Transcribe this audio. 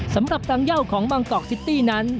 สำหรับรังเย่าของบางกอกซิตี้นั้น